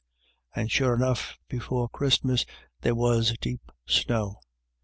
And, sure enough, before Christmas there was deep snow.